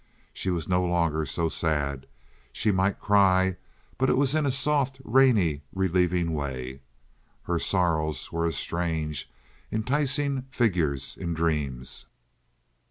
She was no longer so sad. She might cry, but it was in a soft, rainy, relieving way. Her sorrows were as strange, enticing figures in dreams.